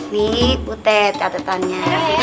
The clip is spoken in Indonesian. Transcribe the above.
nih bu teh catatannya